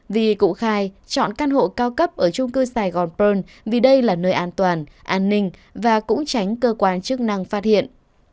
vì cụ khai chọn căn hộ cao cấp ở trung cư sài gòn pearl vì đây là nơi an toàn an ninh và cũng tránh cơ quan chức năng phát hiện